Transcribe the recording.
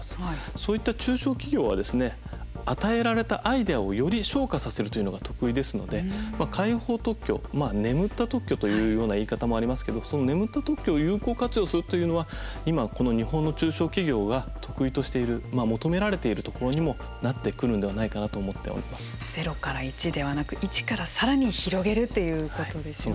そういった中小企業はですね与えられたアイデアをより昇華させるというのが得意ですので、開放特許まあ、眠った特許というような言い方もありますけどその眠った特許を有効活用するというのは今、この日本の中小企業が得意としている求められているところにもなってくるんではないかなと０から１ではなく１からさらに広げるということですよね。